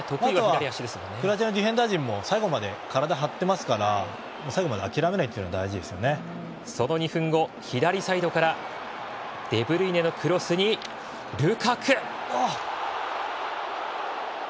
クロアチアのディフェンダー陣も最後まで体を張ってますから最後まで諦めないというのが大事その２分後左サイドからデブルイネのクロスにルカク。